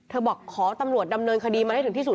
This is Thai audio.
บอกขอตำรวจดำเนินคดีมันให้ถึงที่สุด